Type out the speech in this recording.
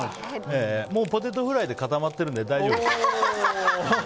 ポテトフライで固まってるんで大丈夫です。